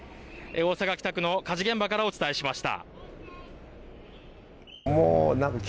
大阪北区の火事現場からお伝えしました。